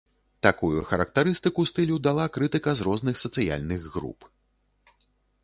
Такую характарыстыку стылю дала крытыка з розных сацыяльных груп.